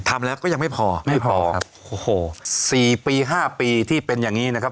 ทำแล้วก็ยังไม่พอไม่พอครับโอ้โหสี่ปีห้าปีที่เป็นอย่างงี้นะครับ